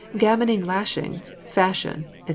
Gammoning lashing, fashion, &c.